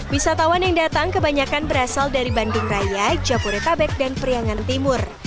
wisatawan yang datang kebanyakan berasal dari bandung raya jopore tabek dan priangan timur